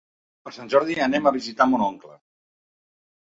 Per Sant Jordi anem a visitar mon oncle.